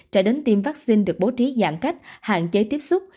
trẻ đến tiêm vaccine được bố trí giãn cách hạn chế tiếp xúc